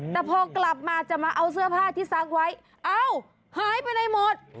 แต่พอกลับมาจะมาเอาเสื้อผ้าที่ซักไว้เอ้าหายไปไหนหมด